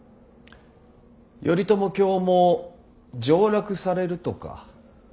頼朝卿も上洛されるとか。